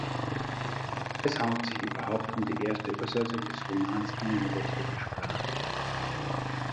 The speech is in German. Es handelt sich überhaupt um die erste Übersetzung des Romans in eine westliche Sprache.